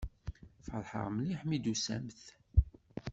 Feṛḥeɣ mliḥ mi d-tusamt.